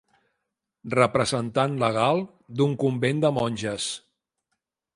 Representant legal d'un convent de monges.